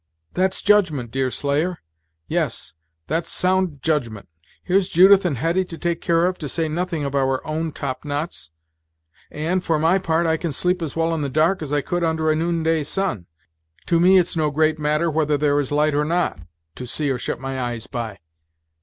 "That's judgment, Deerslayer; yes, that's sound judgment. Here's Judith and Hetty to take care of, to say nothing of our own top knots; and, for my part, I can sleep as well in the dark as I could under a noonday sun. To me it's no great matter whether there is light or not, to see to shut my eyes by."